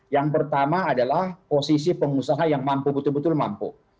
yang pertama adalah posisi pengusaha yang mampu betul betul mampu